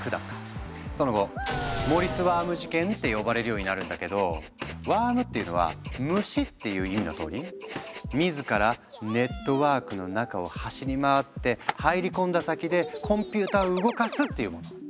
その後「モリスワーム事件」って呼ばれるようになるんだけど「ワーム」っていうのは「虫」っていう意味のとおり「自らネットワークの中を走り回って入り込んだ先でコンピューターを動かす」っていうもの。